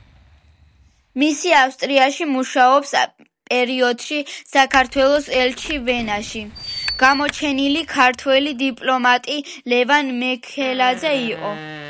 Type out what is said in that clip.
მისი ავსტრიაში მუშაობის პერიოდში საქართველოს ელჩი ვენაში გამოჩენილი ქართველი დიპლომატი, ლევან მიქელაძე, იყო.